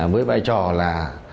với vai trò là